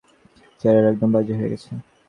চেহারা একদম বাজে হয়ে গেছে।